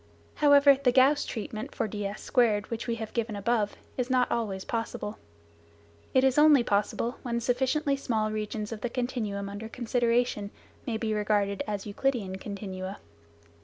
However, the Gauss treatment for ds2 which we have given above is not always possible. It is only possible when sufficiently small regions of the continuum under consideration may be regarded as Euclidean continua.